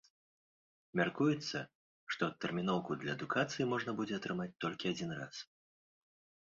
Мяркуецца, што адтэрміноўку для адукацыі можна будзе атрымаць толькі адзін раз.